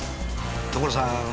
所さん！